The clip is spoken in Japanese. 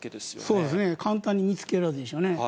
そうですね、簡単に見つけられるでしょうね。